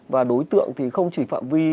và đối tượng thì không chỉ phạm vi